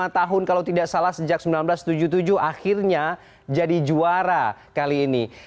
lima tahun kalau tidak salah sejak seribu sembilan ratus tujuh puluh tujuh akhirnya jadi juara kali ini